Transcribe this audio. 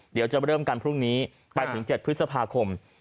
เดี๋ยวจะเริ่มกันพรุ่งนี้ไปถึง๗พฤษภาคม